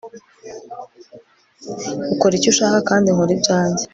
ukora icyo ushaka - kandi nkora ibyanjye